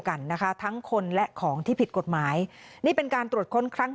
กันนะคะทั้งคนและของที่ผิดกฎหมายนี่เป็นการตรวจค้นครั้ง